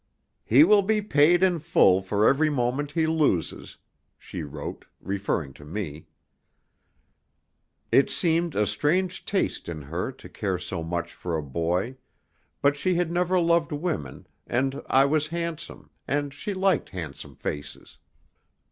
"He will be paid in full for every moment he loses," she wrote, referring to me. It seemed a strange taste in her to care so much for a boy, but she had never loved women, and I was handsome, and she liked handsome faces.